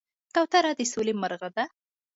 کوتره د سولې مرغه ده.